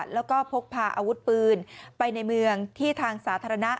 แล้วก็พกพาอาวุธปืนไปในเมืองที่ทางสาธารณะ